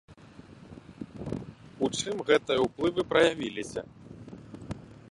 У чым гэтыя ўплывы праявіліся?